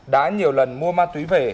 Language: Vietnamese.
đã nhiều lần mua ma túy về